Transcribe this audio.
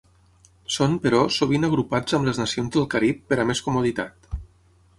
Són, però, sovint agrupats amb les nacions del Carib per a més comoditat.